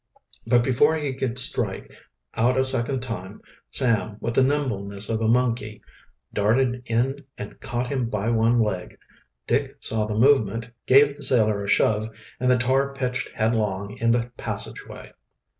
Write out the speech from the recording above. But before he could strike out a second time, Sam, with the nimbleness of a monkey, darted in and caught him by one leg. Dick saw the movement, gave the sailor a shove, and the tar pitched headlong in the passageway.